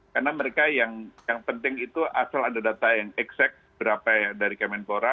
karena mereka yang penting itu asal ada data yang exact berapa dari kemenpora